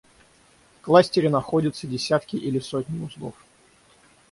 В кластере находятся десятки или сотни узлов